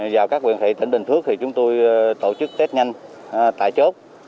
vào các huyện thị tỉnh bình phước thì chúng tôi tổ chức test nhanh tại chốt